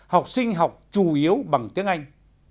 học sinh học chủ yếu bằng tiếng anh